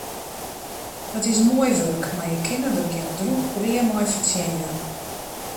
It is moai wurk, mar je kinne der gjin drûch brea mei fertsjinje.